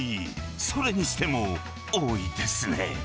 それにしても多いですね。